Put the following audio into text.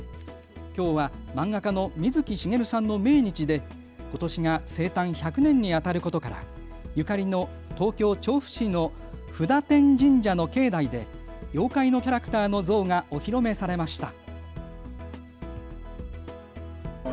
きょうは漫画家の水木しげるさんの命日で、ことしが生誕１００年にあたることからゆかりの東京調布市の布多天神社の境内で妖怪のキャラクターの像がお披露目されました。